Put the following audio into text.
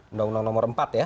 undang undang nomor empat ya